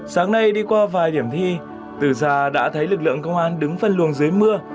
sáng nay đi qua vài điểm thi từ ra đã thấy lực lượng công an đứng phân luồng dưới mưa